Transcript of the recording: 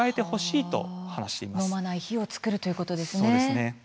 飲まない日を作るということですね。